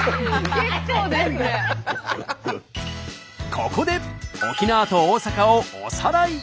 ここで沖縄と大阪をおさらい！